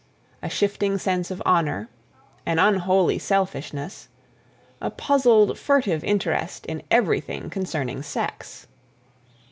a shifting sense of honor... an unholy selfishness... a puzzled, furtive interest in everything concerning sex.